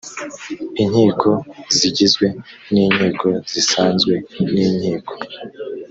inkiko zigizwe n inkiko zisanzwe n inkiko